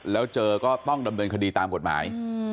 แล้วเจอก็ต้องดำเนินคดีตามกฎหมาย